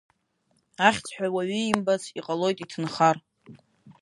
Ахьӡ ҳәа уаҩ иимбац, иҟалоит иҭынхар.